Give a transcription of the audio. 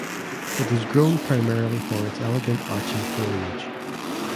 It is grown primarily for its elegant arching foliage.